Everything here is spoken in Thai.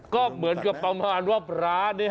ก็เหมือนกับประมาณว่าพระเนี่ย